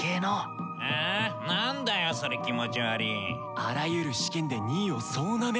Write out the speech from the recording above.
・あらゆる試験で２位を総なめ！